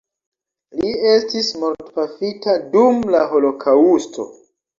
Li estis mortpafita dum la holokaŭsto.